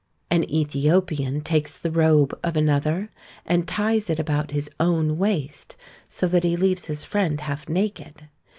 An Ethiopian takes the robe of another, and ties it about his own waist, so that he leaves his friend half naked.